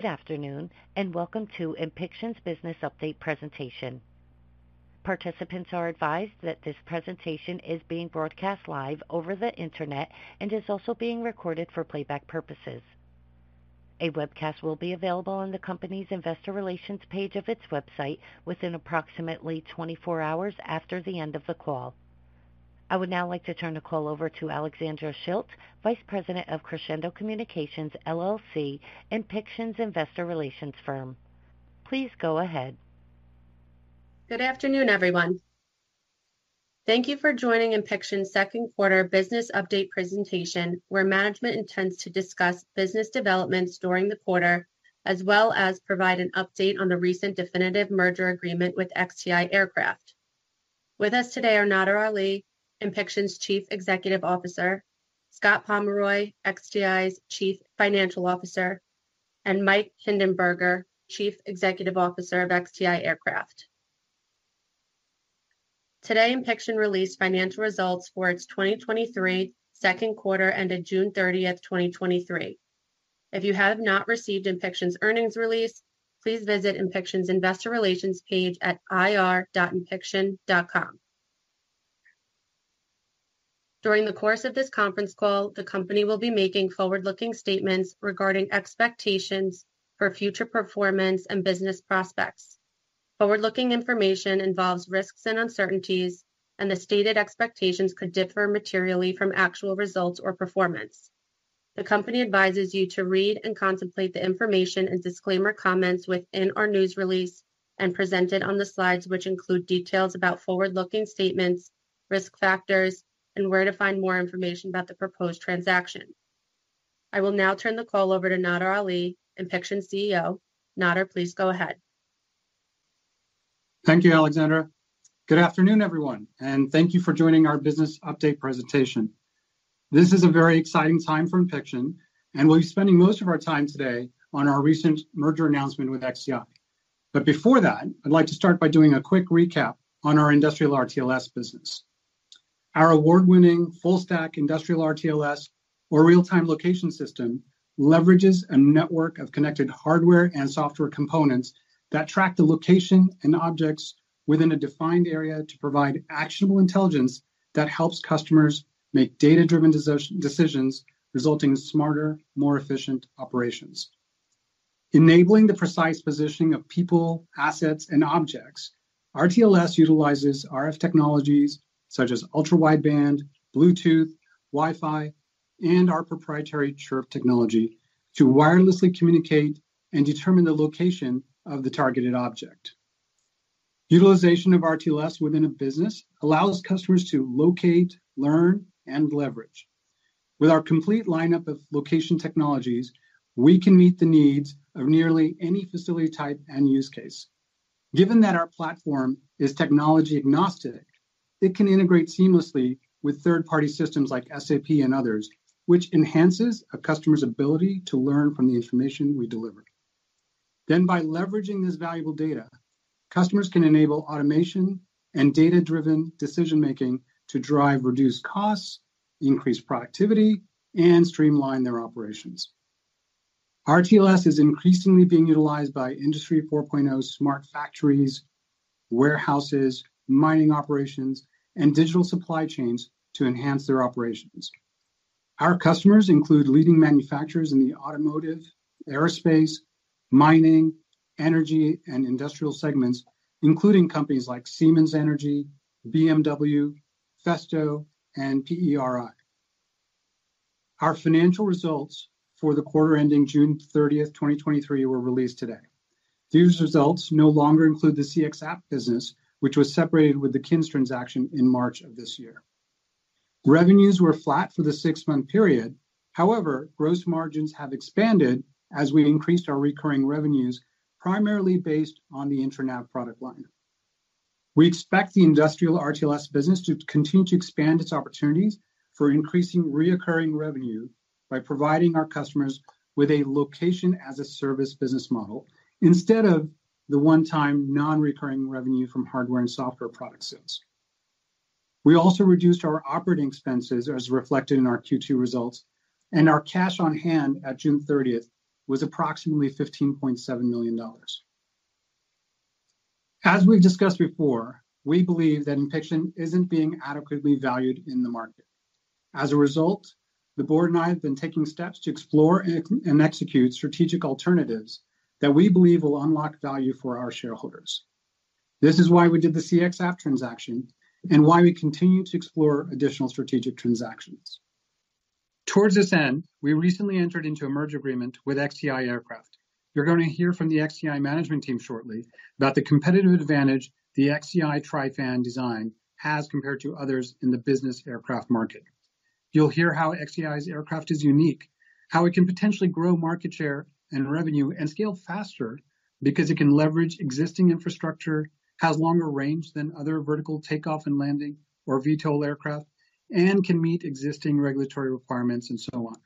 Good afternoon, welcome to Inpixon's Business Update presentation. Participants are advised that this presentation is being broadcast live over the internet and is also being recorded for playback purposes. A webcast will be available on the company's investor relations page of its website within approximately 24 hours after the end of the call. I would now like to turn the call over to Alexandra Schilt, Vice President of Crescendo Communications, LLC, Inpixon's investor relations firm. Please go ahead. Good afternoon, everyone. Thank you for joining Inpixon's Second Quarter Business Update presentation, where management intends to discuss business developments during the quarter, as well as provide an update on the recent definitive merger agreement with XTI Aircraft. With us today are Nadir Ali, Inpixon's Chief Executive Officer, Scott Pomeroy, XTI's Chief Financial Officer, and Michael Hinderberger, Chief Executive Officer of XTI Aircraft. Today, Inpixon released financial results for its 2023 second quarter ended June thirtieth, 2023. If you have not received Inpixon's earnings release, please visit Inpixon's investor relations page at ir.inpixon.com. During the course of this conference call, the company will be making forward-looking statements regarding expectations for future performance and business prospects. Forward-looking information involves risks and uncertainties, and the stated expectations could differ materially from actual results or performance. The company advises you to read and contemplate the information and disclaimer comments within our news release and presented on the slides, which include details about forward-looking statements, risk factors, and where to find more information about the proposed transaction. I will now turn the call over to Nadir Ali, Inpixon's CEO. Nadir, please go ahead. Thank you, Alexandra. Good afternoon, everyone, and thank you for joining our business update presentation. This is a very exciting time for Inpixon, and we'll be spending most of our time today on our recent merger announcement with XTI. Before that, I'd like to start by doing a quick recap on our industrial RTLS business. Our award-winning full-stack industrial RTLS, or real-time location system, leverages a network of connected hardware and software components that track the location and objects within a defined area to provide actionable intelligence that helps customers make data-driven decisions, resulting in smarter, more efficient operations. Enabling the precise positioning of people, assets, and objects, RTLS utilizes RF technologies such as ultra-wideband, Bluetooth, Wi-Fi, and our proprietary Chirp technology to wirelessly communicate and determine the location of the targeted object. Utilization of RTLS within a business allows customers to locate, learn, and leverage. With our complete lineup of location technologies, we can meet the needs of nearly any facility type and use case. Given that our platform is technology agnostic, it can integrate seamlessly with third-party systems like SAP and others, which enhances a customer's ability to learn from the information we deliver. By leveraging this valuable data, customers can enable automation and data-driven decision-making to drive reduced costs, increase productivity, and streamline their operations. RTLS is increasingly being utilized by Industry 4.0 smart factories, warehouses, mining operations, and digital supply chains to enhance their operations. Our customers include leading manufacturers in the Automotive, Aerospace, Mining, Energy, and Industrial segments, including companies like Siemens Energy, BMW, Festo, and PERI. Our financial results for the quarter ending June 30th, 2023, were released today. These results no longer include the CXApp business, which was separated with the KINS transaction in March of this year. Revenues were flat for the six-month period. However, gross margins have expanded as we increased our recurring revenues, primarily based on the IntraNav product line. We expect the industrial RTLS business to continue to expand its opportunities for increasing recurring revenue by providing our customers with a Location-as-a-Service business model instead of the one-time, non-recurring revenue from hardware and software product sales. We also reduced our operating expenses, as reflected in our Q2 results, and our cash on hand at June thirtieth was approximately $15.7 million. As we've discussed before, we believe that Inpixon isn't being adequately valued in the market. As a result, the board and I have been taking steps to explore and, and execute strategic alternatives that we believe will unlock value for our shareholders. This is why we did the CXApp transaction and why we continue to explore additional strategic transactions. Towards this end, we recently entered into a merge agreement with XTI Aircraft. You're going to hear from the XTI management team shortly about the competitive advantage the XTI TriFan design has compared to others in the business aircraft market. You'll hear how XTI's aircraft is unique, how it can potentially grow market share and revenue, and scale faster because it can leverage existing infrastructure, has longer range than other vertical takeoff and landing or VTOL aircraft, and can meet existing regulatory requirements and so on.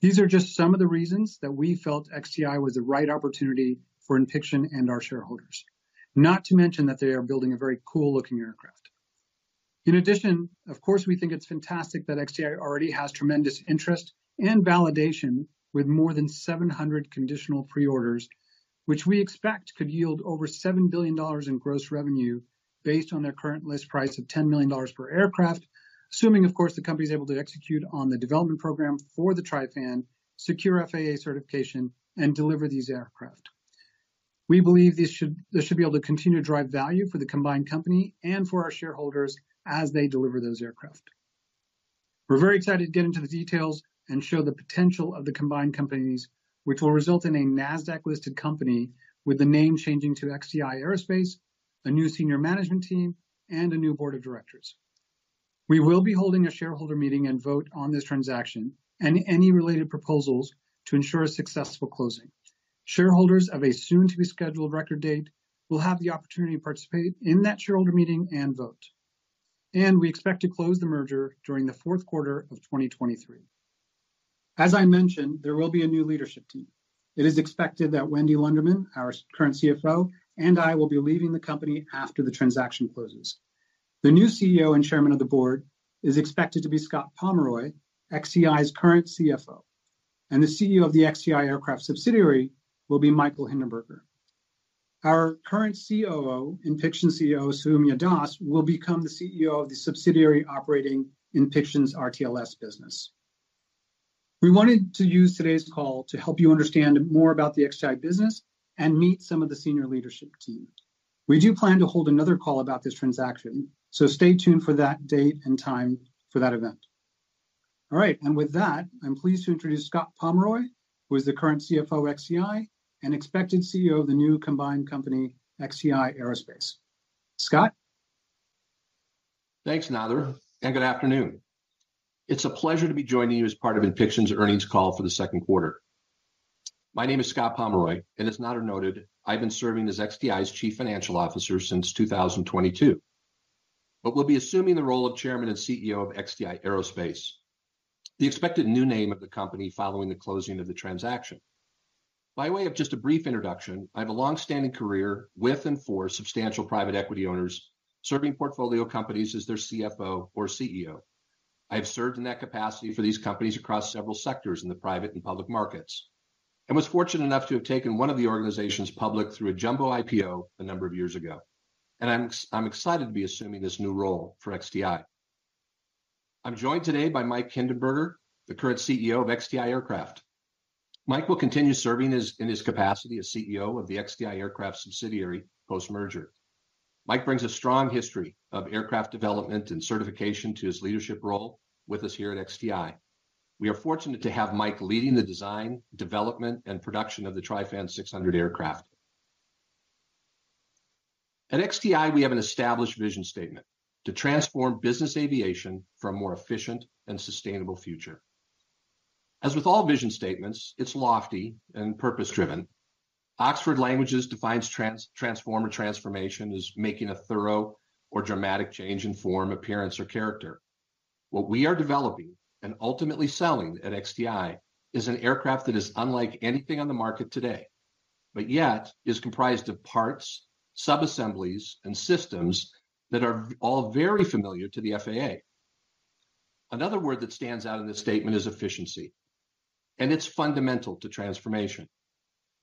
These are just some of the reasons that we felt XTI was the right opportunity for Inpixon and our shareholders. Not to mention that they are building a very cool-looking aircraft. In addition, of course, we think it's fantastic that XTI already has tremendous interest and validation with more than 700 conditional pre-orders, which we expect could yield over $7 billion in gross revenue based on their current list price of $10 million per aircraft, assuming, of course, the company is able to execute on the development program for the TriFan, secure FAA certification, and deliver these aircraft. We believe this should, this should be able to continue to drive value for the combined company and for our shareholders as they deliver those aircraft. We're very excited to get into the details and show the potential of the combined companies, which will result in a Nasdaq-listed company with the name changing to XTI Aerospace, a new senior management team, and a new board of directors. We will be holding a shareholder meeting and vote on this transaction and any related proposals to ensure a successful closing. Shareholders of a soon-to-be-scheduled record date will have the opportunity to participate in that shareholder meeting and vote. We expect to close the merger during the fourth quarter of 2023. As I mentioned, there will be a new leadership team. It is expected that Wendy Loundermon, our current CFO, and I will be leaving the company after the transaction closes. The new CEO and chairman of the board is expected to be Scott Pomeroy, XTI's current CFO, and the CEO of the XTI Aircraft subsidiary will be Michael Hinderberger. Our current COO, Inpixon CEO, Soumya Das, will become the CEO of the subsidiary operating Inpixon's RTLS business. We wanted to use today's call to help you understand more about the XTI business and meet some of the senior leadership team. We do plan to hold another call about this transaction. Stay tuned for that date and time for that event. All right, with that, I'm pleased to introduce Scott Pomeroy, who is the current CFO of XTI and expected CEO of the new combined company, XTI Aerospace. Scott? Thanks, Nadir, and good afternoon. It's a pleasure to be joining you as part of Inpixon's earnings call for the second quarter. My name is Scott Pomeroy, and as Nadir noted, I've been serving as XTI's Chief Financial Officer since 2022, but will be assuming the role of Chairman and CEO of XTI Aerospace, the expected new name of the company following the closing of the transaction. By way of just a brief introduction, I have a long-standing career with and for substantial private equity owners, serving portfolio companies as their CFO or CEO. I have served in that capacity for these companies across several sectors in the private and public markets, and was fortunate enough to have taken one of the organizations public through a jumbo IPO a number of years ago, and I'm excited to be assuming this new role for XTI. I'm joined today by Michael Hinderberger, the current CEO of XTI Aircraft. Mike will continue serving in his capacity as CEO of the XTI Aircraft subsidiary post-merger. Mike brings a strong history of aircraft development and certification to his leadership role with us here at XTI. We are fortunate to have Mike leading the design, development, and production of the TriFan 600 aircraft. At XTI, we have an established vision statement: to transform business aviation for a more efficient and sustainable future. As with all vision statements, it's lofty and purpose-driven. Oxford Languages defines transformer transformation as making a thorough or dramatic change in form, appearance, or character. What we are developing and ultimately selling at XTI is an aircraft that is unlike anything on the market today, but yet is comprised of parts, subassemblies, and systems that are all very familiar to the FAA. Another word that stands out in this statement is efficiency, and it's fundamental to transformation.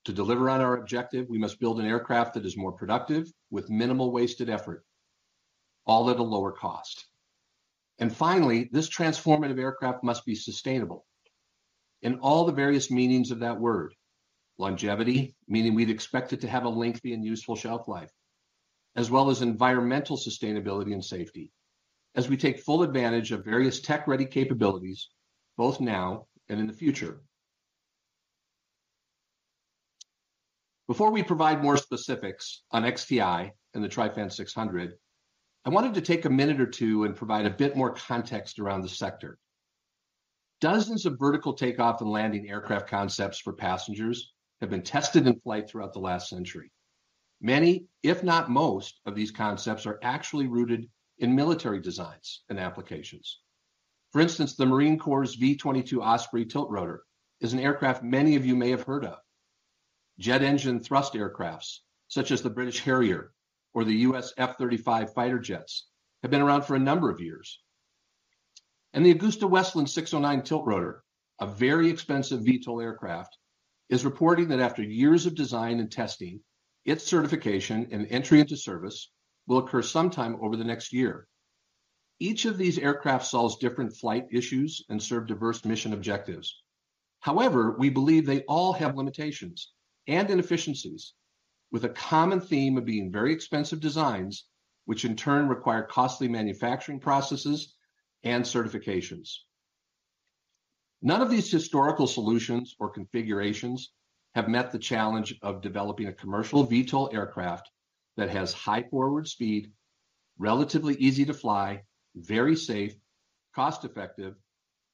To deliver on our objective, we must build an aircraft that is more productive, with minimal wasted effort, all at a lower cost. Finally, this transformative aircraft must be sustainable in all the various meanings of that word. Longevity, meaning we'd expect it to have a lengthy and useful shelf life, as well as environmental sustainability and safety, as we take full advantage of various tech-ready capabilities both now and in the future. Before we provide more specifics on XTI and the TriFan 600, I wanted to take a minute or two and provide a bit more context around the sector. Dozens of vertical takeoff and landing aircraft concepts for passengers have been tested in flight throughout the last century. Many, if not most, of these concepts are actually rooted in military designs and applications. For instance, the Marine Corps' V-22 Osprey tiltrotor is an aircraft many of you may have heard of. Jet engine thrust aircrafts, such as the British Harrier or the U.S. F-35 fighter jets, have been around for a number of years. The AgustaWestland AW609 tiltrotor, a very expensive VTOL aircraft, is reporting that after years of design and testing, its certification and entry into service will occur sometime over the next year. Each of these aircraft solves different flight issues and serve diverse mission objectives. However, we believe they all have limitations and inefficiencies, with a common theme of being very expensive designs, which in turn require costly manufacturing processes and certifications. None of these historical solutions or configurations have met the challenge of developing a commercial VTOL aircraft that has high forward speed, relatively easy to fly, very safe, cost-effective,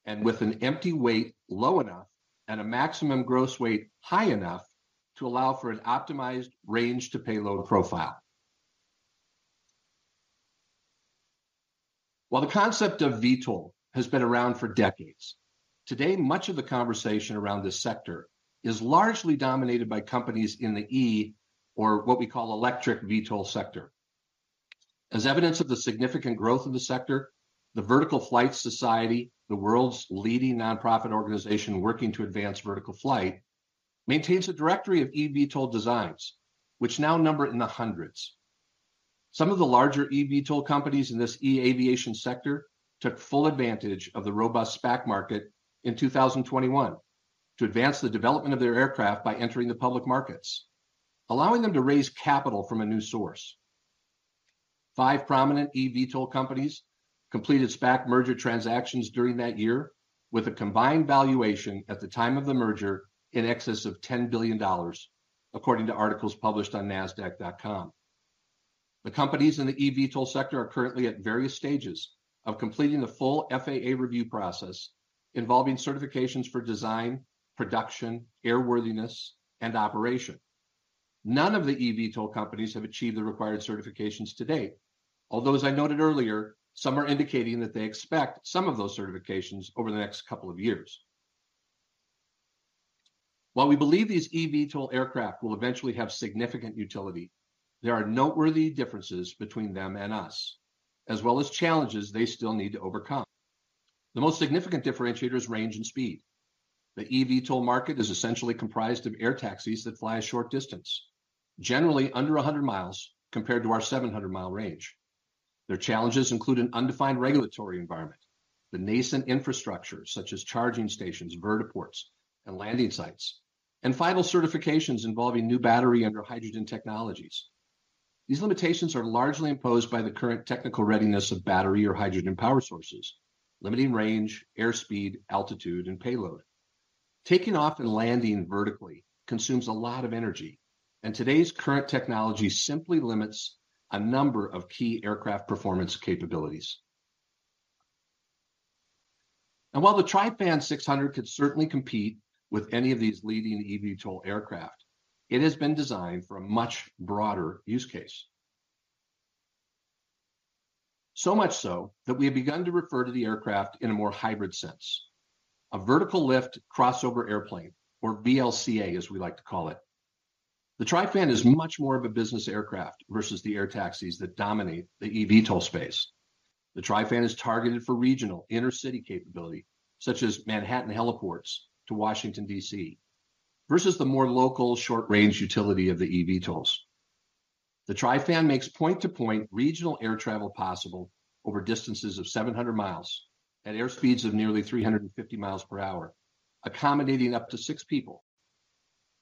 and with an empty weight low enough and a maximum gross weight high enough to allow for an optimized range to payload profile. While the concept of VTOL has been around for decades...Today, much of the conversation around this sector is largely dominated by companies in the E, or what we call electric VTOL sector. As evidence of the significant growth of the sector, the Vertical Flight Society, the world's leading nonprofit organization working to advance vertical flight, maintains a directory of eVTOL designs, which now number in the hundreds. Some of the larger eVTOL companies in this e-aviation sector took full advantage of the robust SPAC market in 2021 to advance the development of their aircraft by entering the public markets, allowing them to raise capital from a new source. Five prominent eVTOL companies completed SPAC merger transactions during that year, with a combined valuation at the time of the merger in excess of $10 billion, according to articles published on nasdaq.com. The companies in the eVTOL sector are currently at various stages of completing the full FAA review process, involving certifications for design, production, airworthiness, and operation. None of the eVTOL companies have achieved the required certifications to date, although as I noted earlier, some are indicating that they expect some of those certifications over the next couple of years. While we believe these eVTOL aircraft will eventually have significant utility, there are noteworthy differences between them and us, as well as challenges they still need to overcome. The most significant differentiator is range and speed. The eVTOL market is essentially comprised of air taxis that fly a short distance, generally under 100 miles, compared to our 700-mile range. Their challenges include an undefined regulatory environment, the nascent infrastructure, such as charging stations, vertiports, and landing sites, and final certifications involving new battery under hydrogen technologies. These limitations are largely imposed by the current technical readiness of battery or hydrogen power sources, limiting range, airspeed, altitude, and payload. Taking off and landing vertically consumes a lot of energy. Today's current technology simply limits a number of key aircraft performance capabilities. While the TriFan 600 could certainly compete with any of these leading eVTOL aircraft, it has been designed for a much broader use case. So much so that we have begun to refer to the aircraft in a more hybrid sense, a vertical lift crossover airplane, or VLCA, as we like to call it. The TriFan is much more of a business aircraft versus the air taxis that dominate the eVTOL space. The TriFan is targeted for regional inner-city capability, such as Manhattan heliports to Washington, D.C., versus the more local, short-range utility of the eVTOLs. The TriFan makes point-to-point regional air travel possible over distances of 700 miles at airspeeds of nearly 350 miles per hour, accommodating up to 6 people,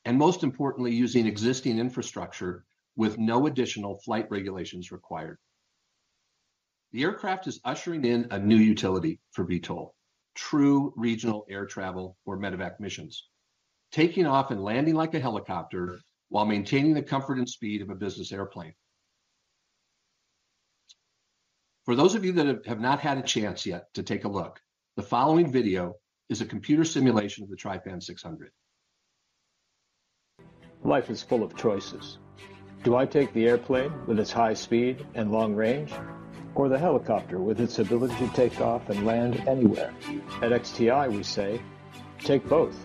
and most importantly, using existing infrastructure with no additional flight regulations required. The aircraft is ushering in a new utility for VTOL, true regional air travel or MEDEVAC missions, taking off and landing like a helicopter while maintaining the comfort and speed of a business airplane. For those of you that have, have not had a chance yet to take a look, the following video is a computer simulation of the TriFan 600. Life is full of choices. Do I take the airplane with its high speed and long range, or the helicopter with its ability to take off and land anywhere? At XTI, we say, "Take both!"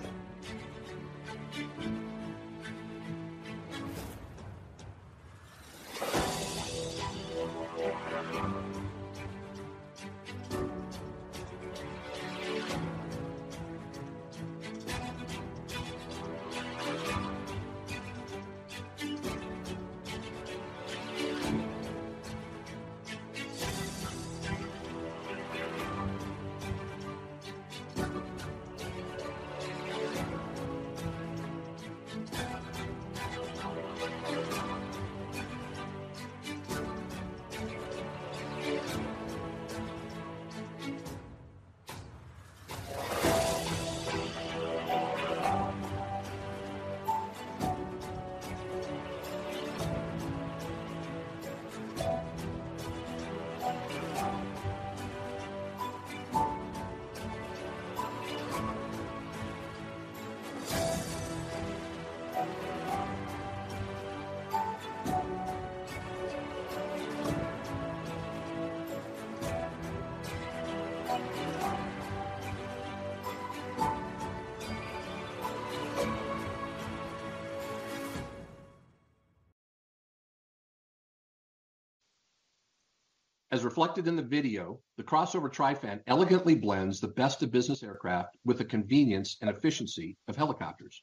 As reflected in the video, the Crossover TriFan elegantly blends the best of business aircraft with the convenience and efficiency of helicopters.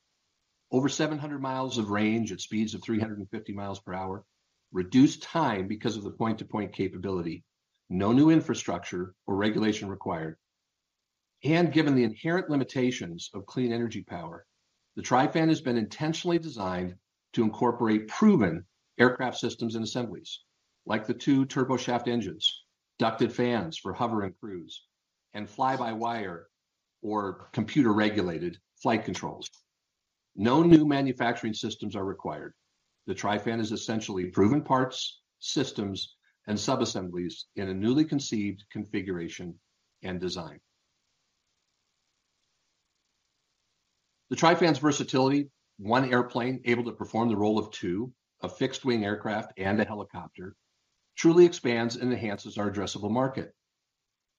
Over 700 miles of range at speeds of 350 miles per hour, reduced time because of the point-to-point capability, no new infrastructure or regulation required. Given the inherent limitations of clean energy power, the TriFan has been intentionally designed to incorporate proven aircraft systems and assemblies, like the two turboshaft engines, ducted fans for hover and cruise, and fly-by-wire or computer-regulated flight controls. No new manufacturing systems are required. The TriFan is essentially proven parts, systems, and subassemblies in a newly conceived configuration and design... The TriFan's versatility, one airplane able to perform the role of two, a fixed-wing aircraft and a helicopter, truly expands and enhances our addressable market.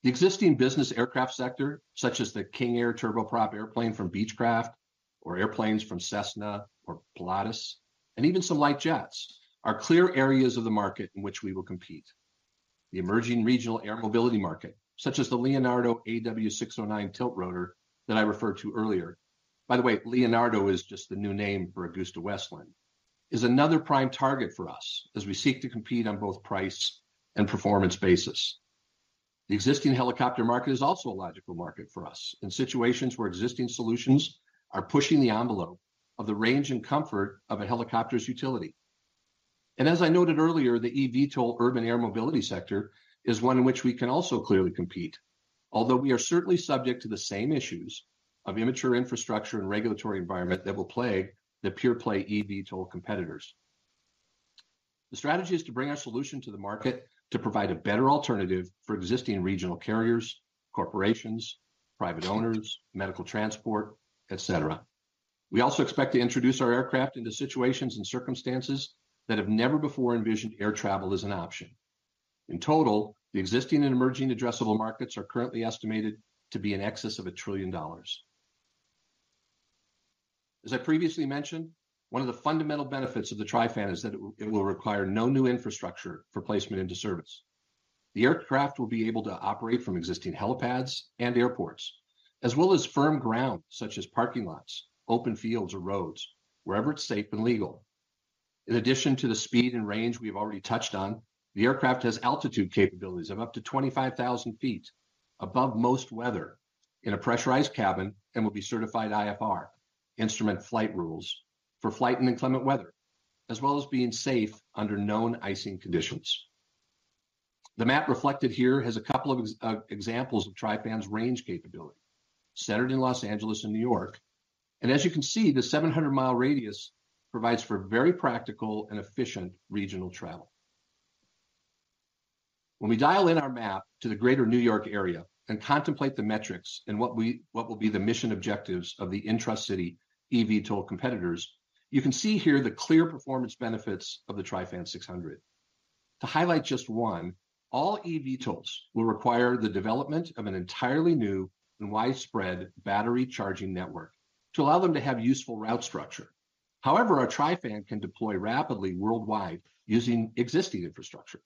The existing business aircraft sector, such as the King Air turboprop airplane from Beechcraft, or airplanes from Cessna or Pilatus, and even some light jets, are clear areas of the market in which we will compete. The emerging regional air mobility market, such as the Leonardo AW609 tiltrotor that I referred to earlier, by the way, Leonardo is just the new name for AgustaWestland, is another prime target for us as we seek to compete on both price and performance basis. The existing helicopter market is also a logical market for us, in situations where existing solutions are pushing the envelope of the range and comfort of a helicopter's utility. As I noted earlier, the eVTOL urban air mobility sector is one in which we can also clearly compete, although we are certainly subject to the same issues of immature infrastructure and regulatory environment that will plague the pure-play eVTOL competitors. The strategy is to bring our solution to the market to provide a better alternative for existing regional carriers, corporations, private owners, medical transport, et cetera. We also expect to introduce our aircraft into situations and circumstances that have never before envisioned air travel as an option. In total, the existing and emerging addressable markets are currently estimated to be in excess of $1 trillion. As I previously mentioned, one of the fundamental benefits of the TriFan is that it will require no new infrastructure for placement into service. The aircraft will be able to operate from existing helipads and airports, as well as firm ground, such as parking lots, open fields, or roads, wherever it's safe and legal. In addition to the speed and range we've already touched on, the aircraft has altitude capabilities of up to 25,000 feet above most weather in a pressurized cabin, and will be certified IFR, Instrument Flight Rules, for flight in inclement weather, as well as being safe under known icing conditions. The map reflected here has a couple of examples of TriFan's range capability, centered in Los Angeles and New York. As you can see, the 700-mile radius provides for very practical and efficient regional travel. When we dial in our map to the greater New York area and contemplate the metrics and what will be the mission objectives of the intra-city eVTOL competitors, you can see here the clear performance benefits of the TriFan 600. To highlight just one, all eVTOLs will require the development of an entirely new and widespread battery charging network to allow them to have useful route structure. However, our TriFan can deploy rapidly worldwide using existing infrastructure.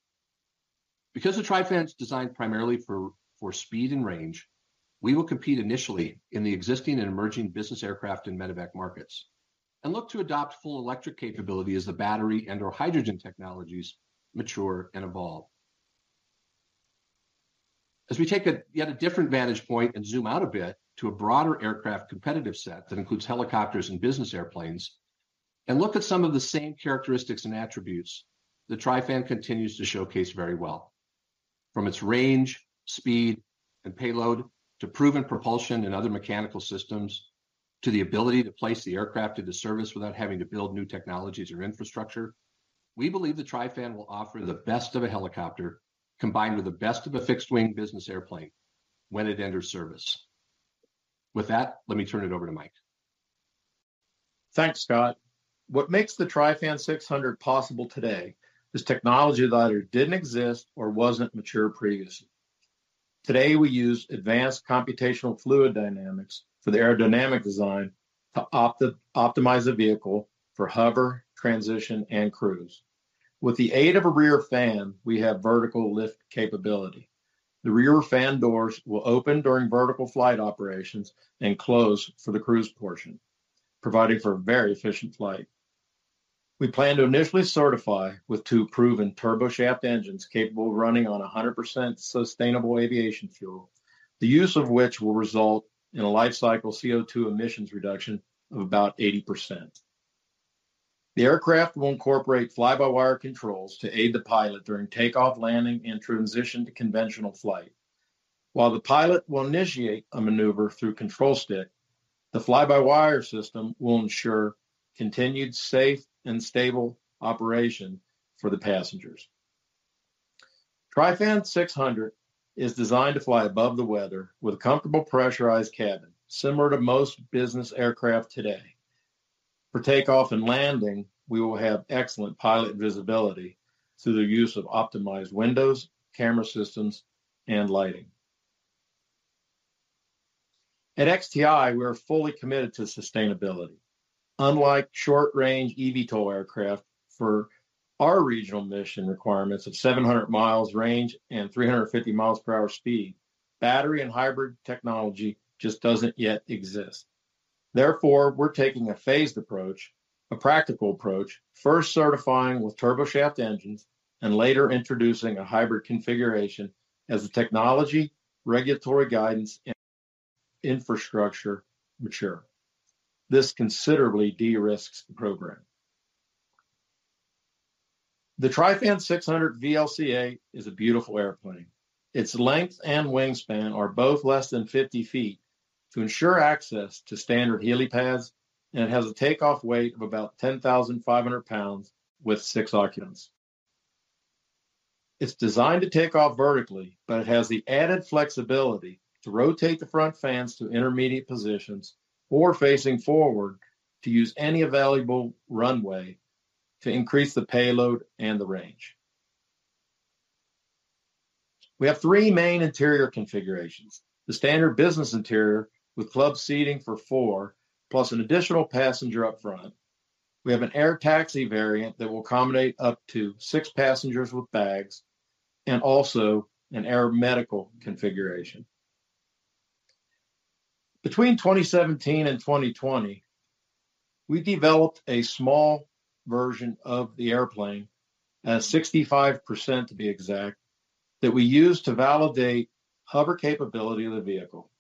Because the TriFan's designed primarily for, for speed and range, we will compete initially in the existing and emerging business aircraft and MEDEVAC markets, and look to adopt full electric capability as the battery and/or hydrogen technologies mature and evolve. As we take a yet a different vantage point and zoom out a bit to a broader aircraft competitive set that includes helicopters and business airplanes, and look at some of the same characteristics and attributes, the TriFan continues to showcase very well. From its range, speed, and payload, to proven propulsion and other mechanical systems, to the ability to place the aircraft into service without having to build new technologies or infrastructure, we believe the TriFan will offer the best of a helicopter, combined with the best of a fixed-wing business airplane when it enters service. With that, let me turn it over to Mike. Thanks, Scott. What makes the TriFan 600 possible today is technology that either didn't exist or wasn't mature previously. Today, we use advanced computational fluid dynamics for the aerodynamic design to optimize the vehicle for hover, transition, and cruise. With the aid of a rear fan, we have vertical lift capability. The rear fan doors will open during vertical flight operations and close for the cruise portion, providing for a very efficient flight. We plan to initially certify with two proven turboshaft engines, capable of running on 100% sustainable aviation fuel, the use of which will result in a lifecycle CO2 emissions reduction of about 80%. The aircraft will incorporate fly-by-wire controls to aid the pilot during takeoff, landing, and transition to conventional flight. While the pilot will initiate a maneuver through control stick, the fly-by-wire system will ensure continued safe and stable operation for the passengers. TriFan 600 is designed to fly above the weather with a comfortable pressurized cabin, similar to most business aircraft today. For takeoff and landing, we will have excellent pilot visibility through the use of optimized windows, camera systems, and lighting. At XTI, we are fully committed to sustainability. Unlike short-range eVTOL aircraft, for our regional mission requirements of 700 miles range and 350 miles per hour speed, battery and hybrid technology just doesn't yet exist. We're taking a phased approach, a practical approach, first certifying with turboshaft engines, and later introducing a hybrid configuration as the technology, regulatory guidance, and infrastructure mature. This considerably de-risks the program. The TriFan 600 VLCA is a beautiful airplane. Its length and wingspan are both less than 50 feet to ensure access to standard helipads, and it has a takeoff weight of about 10,500 pounds with six occupants. It's designed to take off vertically, but it has the added flexibility to rotate the front fans to intermediate positions or facing forward to use any available runway to increase the payload and the range. We have three main interior configurations: the standard business interior with club seating for four, plus an additional passenger up front. We have an air taxi variant that will accommodate up to six passengers with bags, and also an air medical configuration. Between 2017 and 2020, we developed a small version of the airplane, at 65% to be exact, that we used to validate hover capability of the vehicle.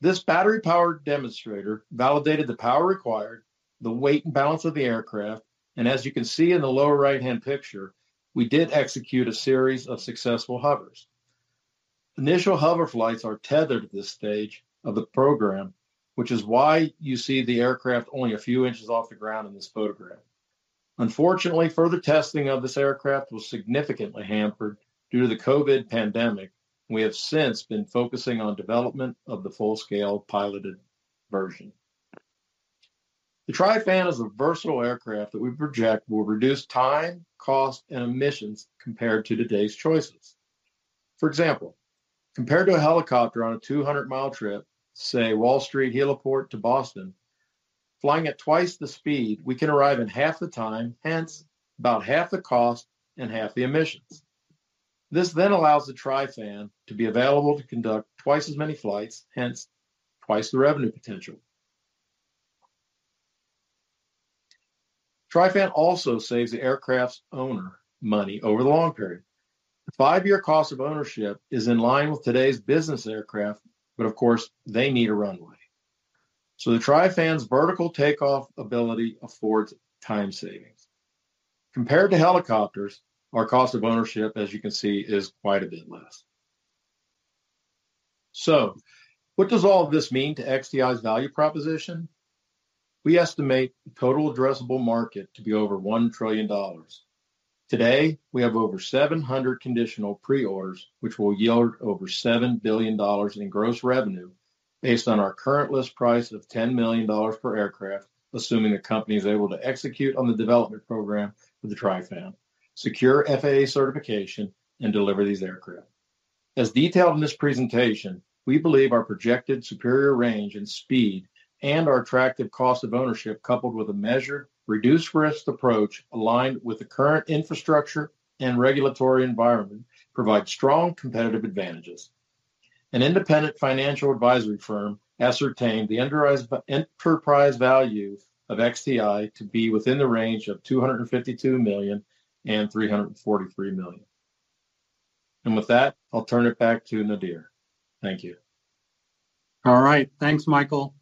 This battery-powered demonstrator validated the power required, the weight and balance of the aircraft, and as you can see in the lower right-hand picture, we did execute a series of successful hovers. Initial hover flights are tethered at this stage of the program, which is why you see the aircraft only a few inches off the ground in this photograph. Unfortunately, further testing of this aircraft was significantly hampered due to the COVID pandemic, and we have since been focusing on development of the full-scale piloted version. The TriFan is a versatile aircraft that we project will reduce time, cost, and emissions compared to today's choices. For example, compared to a helicopter on a 200-mile trip, say, Wall Street Heliport to Boston, flying at twice the speed, we can arrive in half the time, hence, about half the cost and half the emissions. This allows the TriFan to be available to conduct twice as many flights, hence, twice the revenue potential. TriFan also saves the aircraft's owner money over the long period. The five-year cost of ownership is in line with today's business aircraft, of course, they need a runway. The TriFan's vertical takeoff ability affords time savings. Compared to helicopters, our cost of ownership, as you can see, is quite a bit less. What does all of this mean to XTI's value proposition? We estimate the total addressable market to be over $1 trillion. Today, we have over 700 conditional pre-orders, which will yield over $7 billion in gross revenue based on our current list price of $10 million per aircraft, assuming the company is able to execute on the development program for the TriFan, secure FAA certification, and deliver these aircraft. As detailed in this presentation, we believe our projected superior range and speed and our attractive cost of ownership, coupled with a measured, reduced-risk approach, aligned with the current infrastructure and regulatory environment, provide strong competitive advantages. An independent financial advisory firm ascertained the enterprise value of XTI to be within the range of $252 million and $343 million. With that, I'll turn it back to Nadir. Thank you. All right. Thanks, Michael.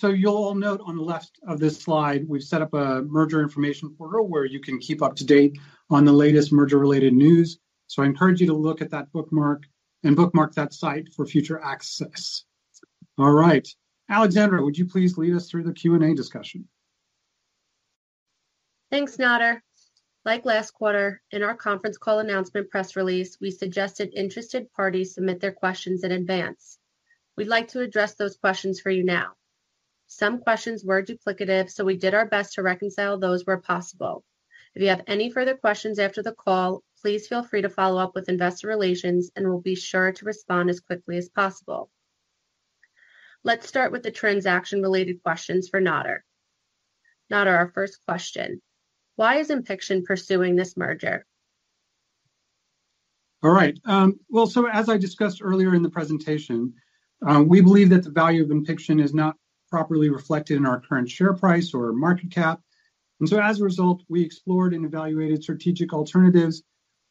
You'll all note on the left of this slide, we've set up a merger information portal where you can keep up to date on the latest merger-related news. I encourage you to look at that bookmark and bookmark that site for future access. All right. Alexandra, would you please lead us through the Q&A discussion? Thanks, Nadir. Like last quarter, in our conference call announcement press release, we suggested interested parties submit their questions in advance. We'd like to address those questions for you now. Some questions were duplicative, we did our best to reconcile those where possible. If you have any further questions after the call, please feel free to follow up with investor relations, we'll be sure to respond as quickly as possible. Let's start with the transaction-related questions for Nadir. Nadir, our first question: Why is Inpixon pursuing this merger? All right. Well, as I discussed earlier in the presentation, we believe that the value of Inpixon is not properly reflected in our current share price or market cap. As a result, we explored and evaluated strategic alternatives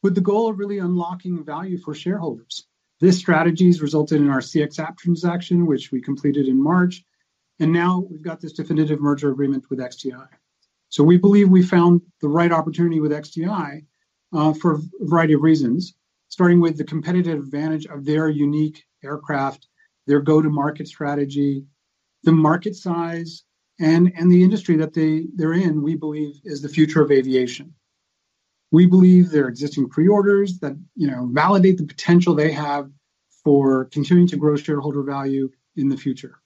with the goal of really unlocking value for shareholders. This strategy has resulted in our CXApp transaction, which we completed in March. Now we've got this definitive merger agreement with XTI. We believe we found the right opportunity with XTI, for a variety of reasons, starting with the competitive advantage of their unique aircraft, their go-to-market strategy, the market size, and the industry that they, they're in, we believe, is the future of aviation. We believe their existing pre-orders that, you know, validate the potential they have for continuing to grow shareholder value in the future.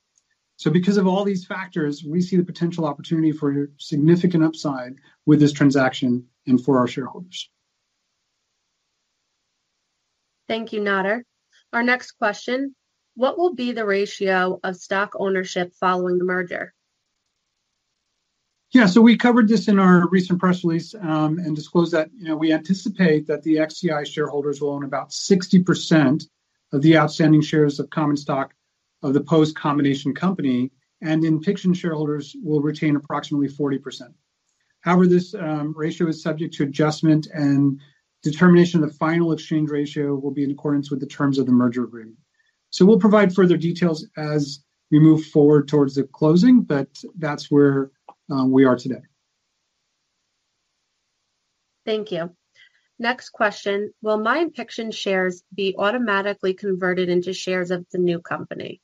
Because of all these factors, we see the potential opportunity for significant upside with this transaction and for our shareholders. Thank you, Nadir. Our next question: What will be the ratio of stock ownership following the merger? Yeah. We covered this in our recent press release, and disclosed that, you know, we anticipate that the XTI shareholders will own about 60% of the outstanding shares of common stock of the post-combination company, and Inpixon shareholders will retain approximately 40%. However, this ratio is subject to adjustment, and determination of the final exchange ratio will be in accordance with the terms of the merger agreement. We'll provide further details as we move forward towards the closing, but that's where we are today. Thank you. Next question: Will my Inpixon shares be automatically converted into shares of the new company?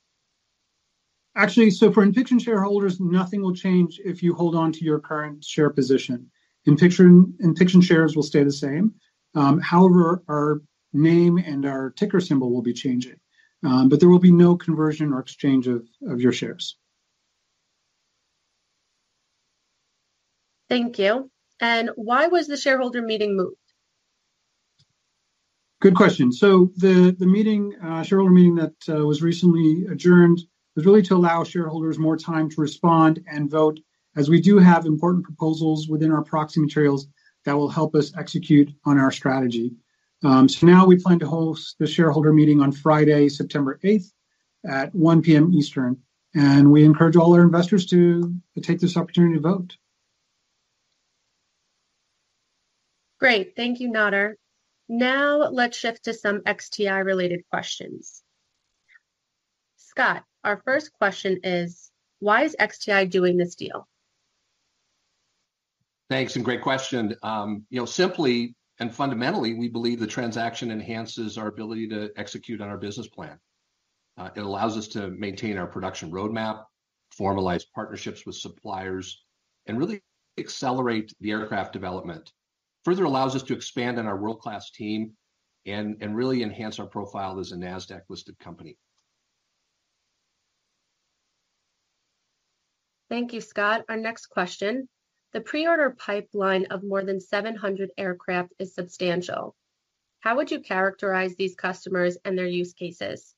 Actually, for Inpixon shareholders, nothing will change if you hold on to your current share position. Inpixon shares will stay the same. However, our name and our ticker symbol will be changing. There will be no conversion or exchange of your shares. Thank you. Why was the shareholder meeting moved? Good question. The, the meeting, shareholder meeting that was recently adjourned was really to allow shareholders more time to respond and vote, as we do have important proposals within our proxy materials that will help us execute on our strategy. Now we plan to host the shareholder meeting on Friday, September 8, at 1:00 P.M. Eastern, and we encourage all our investors to, to take this opportunity to vote. Great. Thank you, Nadir. Now let's shift to some XTI-related questions. Scott, our first question is: Why is XTI doing this deal? Thanks, and great question. You know, simply and fundamentally, we believe the transaction enhances our ability to execute on our business plan. It allows us to maintain our production roadmap, formalize partnerships with suppliers, and really accelerate the aircraft development. Further allows us to expand on our world-class team and, and really enhance our profile as a NASDAQ-listed company. Thank you, Scott. Our next question: The pre-order pipeline of more than 700 aircraft is substantial. How would you characterize these customers and their use cases?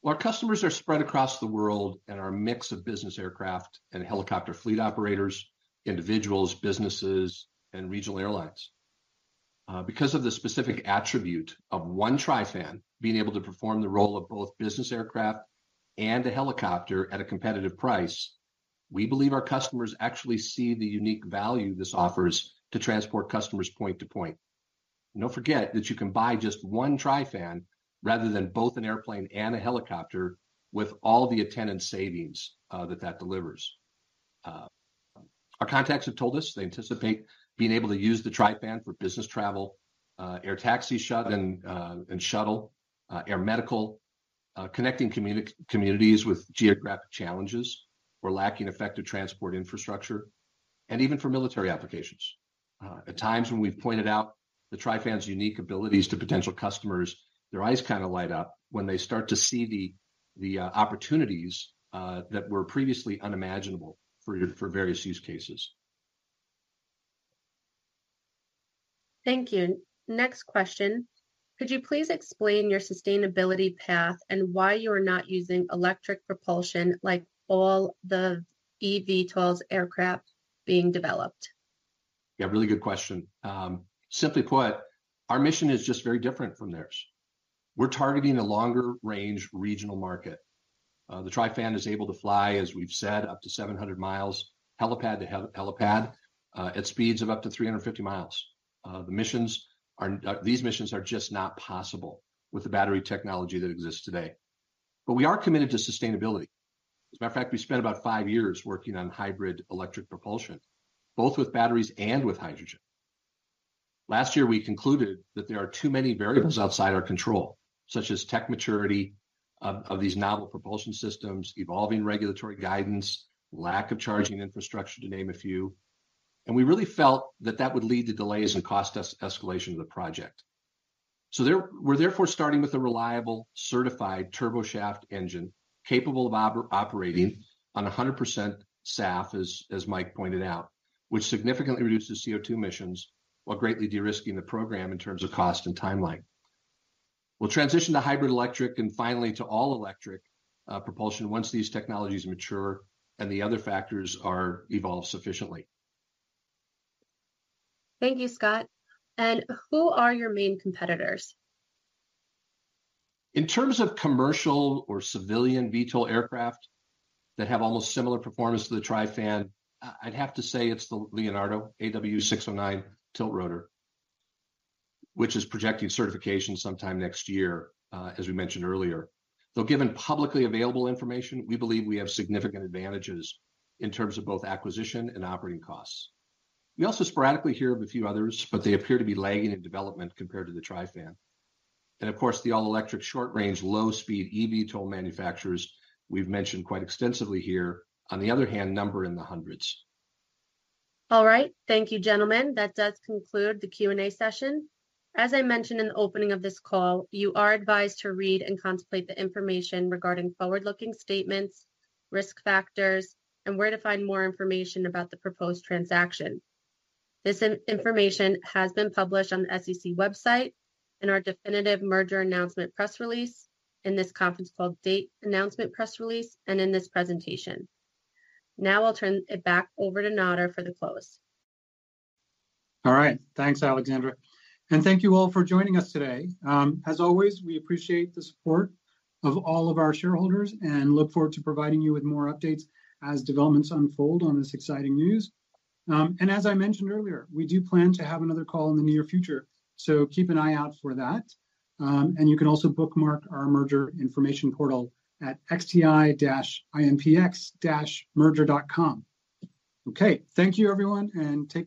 Well, our customers are spread across the world and are a mix of business aircraft and helicopter fleet operators, individuals, businesses, and regional airlines. Because of the specific attribute of one TriFan being able to perform the role of both business aircraft and a helicopter at a competitive price, we believe our customers actually see the unique value this offers to transport customers point to point. Don't forget that you can buy just one TriFan rather than both an airplane and a helicopter, with all the attendant savings that that delivers. Our contacts have told us they anticipate being able to use the TriFan for business travel, air taxi shut and and shuttle, air medical, connecting communities with geographic challenges or lacking effective transport infrastructure, and even for military applications. At times when we've pointed out the TriFan's unique abilities to potential customers, their eyes kind of light up when they start to see the opportunities that were previously unimaginable for various use cases. Thank you. Next question: Could you please explain your sustainability path and why you are not using electric propulsion like all the eVTOLs aircraft being developed? Yeah, really good question. Simply put, our mission is just very different from theirs. We're targeting a longer-range regional market. The TriFan is able to fly, as we've said, up to 700 miles, helipad to helipad, at speeds of up to 350 miles. The missions are, these missions are just not possible with the battery technology that exists today. We are committed to sustainability. As a matter of fact, we spent about five years working on hybrid electric propulsion, both with batteries and with hydrogen. Last year, we concluded that there are too many variables outside our control, such as tech maturity of these novel propulsion systems, evolving regulatory guidance, lack of charging infrastructure, to name a few, and we really felt that that would lead to delays and cost escalation of the project. We're therefore starting with a reliable, certified turboshaft engine, capable of operating on 100% SAF, as Mike pointed out, which significantly reduces CO2 emissions, while greatly de-risking the program in terms of cost and timeline. We'll transition to hybrid electric and finally to all-electric propulsion once these technologies mature and the other factors are evolved sufficiently. Thank you, Scott. Who are your main competitors? In terms of commercial or civilian VTOL aircraft that have almost similar performance to the TriFan, I, I'd have to say it's the Leonardo AW609 tiltrotor, which is projecting certification sometime next year, as we mentioned earlier. Though given publicly available information, we believe we have significant advantages in terms of both acquisition and operating costs. We also sporadically hear of a few others, but they appear to be lagging in development compared to the TriFan. Of course, the all-electric, short-range, low-speed eVTOL manufacturers we've mentioned quite extensively here, on the other hand, number in the hundreds. All right. Thank you, gentlemen. That does conclude the Q&A session. As I mentioned in the opening of this call, you are advised to read and contemplate the information regarding forward-looking statements, risk factors, and where to find more information about the proposed transaction. This information has been published on the SEC website, in our definitive merger announcement press release, in this conference call date announcement press release, and in this presentation. Now I'll turn it back over to Nadir for the close. All right. Thanks, Alexandra, and thank you all for joining us today. As always, we appreciate the support of all of our shareholders and look forward to providing you with more updates as developments unfold on this exciting news. As I mentioned earlier, we do plan to have another call in the near future, so keep an eye out for that. You can also bookmark our merger information portal at xti-inpx-merger.com. Okay, thank you everyone, and take care.